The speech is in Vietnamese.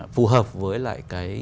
phù hợp với lại cái